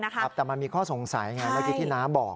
แต่มันมีข้อสงสัยไงเมื่อกี้ที่น้าบอก